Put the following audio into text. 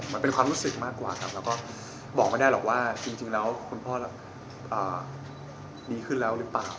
มันเป็นความรู้สึกมากกว่าครับแล้วก็บอกไม่ได้หรอกว่าจริงแล้วคุณพ่อดีขึ้นแล้วหรือเปล่า